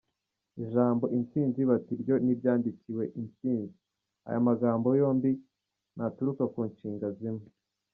-ijambo “intsinzi”bati na ryo niryandikwe “insinzi”, aya magambo yombi ntaturuka ku nshinga zimwe.